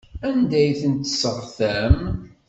Anda ay ten-tesseɣtam?